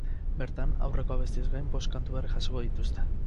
Bertan, aurreko abestiez gain, bost kantu berri jasoko dituzte.